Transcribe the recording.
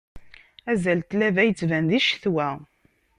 Azal n tlaba ittban di ccetwa.